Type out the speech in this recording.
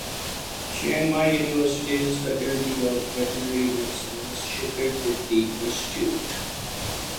Chiang Mai University's Faculty of Veterinary Medicine is associated with the institute.